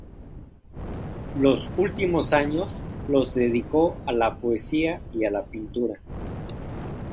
Los últimos años los dedicó a la poesía y a la pintura.